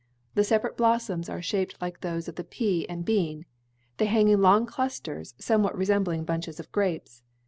The separate blossoms are shaped like those of the pea and bean; they hang in long clusters somewhat resembling bunches of grapes.